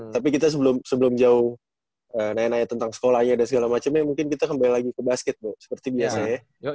jadi kita sebelum jauh nanya nanya tentang sekolahnya dan segala macemnya mungkin kita kembali lagi ke basket bo seperti biasa ya